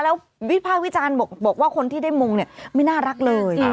แล้ววิภาควิจารณ์บอกว่าคนที่ได้มุงเนี่ยไม่น่ารักเลย